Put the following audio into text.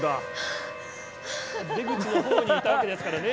出口の方にいたわけですからね。